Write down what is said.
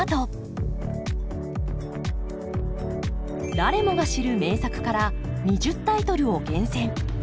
誰もが知る名作から２０タイトルを厳選。